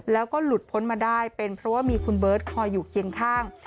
แล้วก็หลุดพ้นมาได้เป็นเพราะว่ามีคุณเบิร์ตคอยอยู่เคียงข้าง